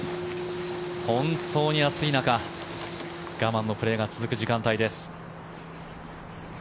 本当に暑い中我慢のプレーが続く時間帯です。